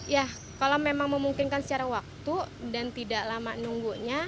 ya kalau memang memungkinkan secara waktu dan tidak lama nunggunya